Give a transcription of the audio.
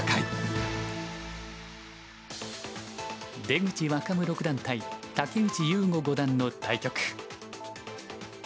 出口若武六段対竹内雄悟五段の対局。